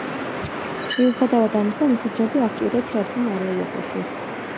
მიუხედავად ამისა, მისი ძმები აქტიურად ჩაერთნენ არეულობაში.